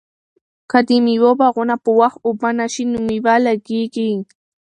که د مېوو باغونه په وخت اوبه نشي نو مېوه لږیږي.